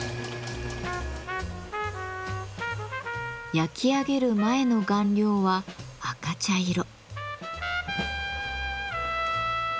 焼き上げる前の顔料は赤茶色。